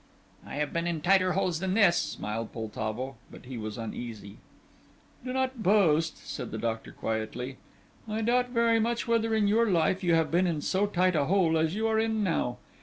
"I have been in tighter holes than this," smiled Poltavo, but he was uneasy. "Do not boast," said the doctor quietly. "I doubt very much whether in your life you have been in so tight a hole as you are in now.